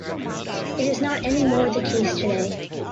It is not anymore the case today.